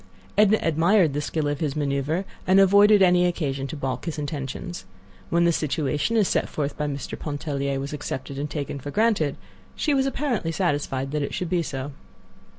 Edna admired the skill of his maneuver, and avoided any occasion to balk his intentions. When the situation as set forth by Mr. Pontellier was accepted and taken for granted, she was apparently satisfied that it should be so.